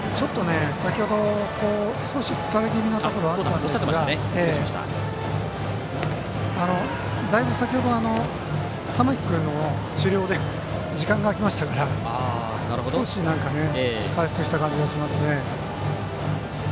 先程、少し疲れ気味なところがあったんですがだいぶ、先程、玉木君の治療で時間が空きましたから少し回復した感じがしますね。